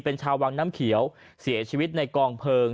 เป็นชาววังน้ำเขียวเสียชีวิตในกองเพลิง